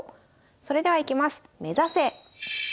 それではいきます。